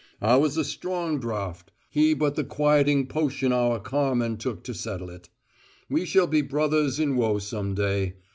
I was a strong draught, he but the quieting potion our Carmen took to settle it. We shall be brothers in woe some day.